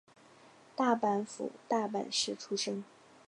大阪府大阪市出身。